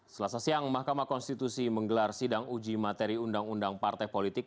selasa siang mahkamah konstitusi menggelar sidang uji materi undang undang partai politik